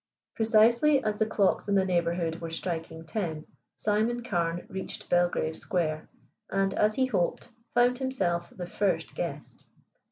Precisely as the clocks in the neighborhood were striking ten Simon Carne reached Belgrave Square, and, as he hoped, found himself the first guest.